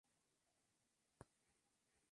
Fue el corte más exitoso del álbum.